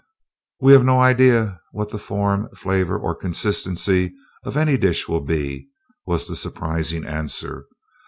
"We have no idea what the form, flavor, or consistency of any dish will be," was the surprising answer.